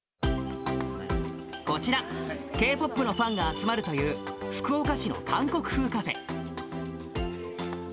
こちら、Ｋ−ＰＯＰのファンが集まるという福岡市の韓国風カフェ。